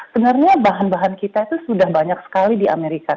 sebenarnya bahan bahan kita itu sudah banyak sekali di amerika